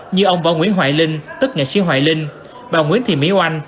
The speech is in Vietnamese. như ông võ nguyễn hoại linh tức nghệ sĩ hoại linh bà nguyễn thị mỹ oanh